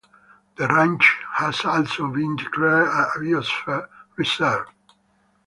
The range has also been declared a biosphere reserve.